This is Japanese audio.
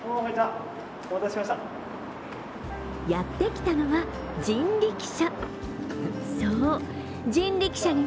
やってきたのは人力車。